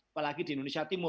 apalagi di indonesia